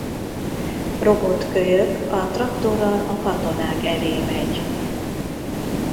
Robot Kölyök a traktorral a katonák elé megy.